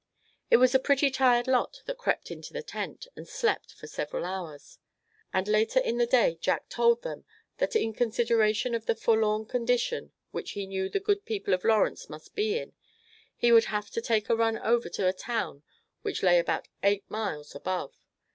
It was a pretty tired lot that crept into the tent, and slept for several hours. And later in the day Jack told them that in consideration of the forlorn condition which he knew the good people of Lawrence must be in, he would have to take a run over to a town which lay about eight miles above.